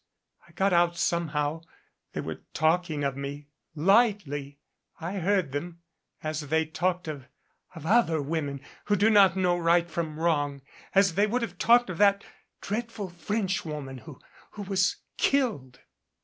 I got out somehow. They were talking of me lightly. I heard them ; as they talked of of other women who do not know right from wrong as they would have talked of that dreadful Frenchwoman who who was killed."